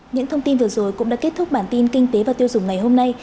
những thông tin vừa rồi cũng đã kết thúc bản tin kinh tế và tiêu dùng ngày hôm nay